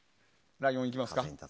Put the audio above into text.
「ライオン」行きますか。